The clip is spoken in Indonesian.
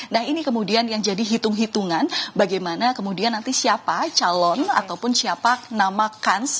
nah ini kemudian yang jadi hitung hitungan bagaimana kemudian nanti siapa calon ataupun siapa nama kans